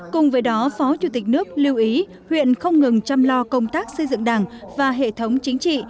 cùng với đó phó chủ tịch nước lưu ý huyện không ngừng chăm lo công tác xây dựng đảng và hệ thống chính trị